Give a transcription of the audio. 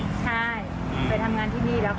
ใช่ไปทำงานที่นี่แล้วค่ะ